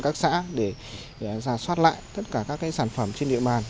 các xã để giả soát lại tất cả các sản phẩm trên địa bàn